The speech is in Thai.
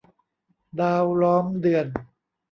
ดาวล้อมเดือน